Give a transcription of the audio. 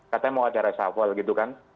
katanya mau acara safal gitu kan